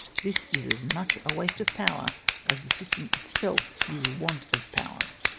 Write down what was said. This is as much a Avaste of power as the system itself is want of power.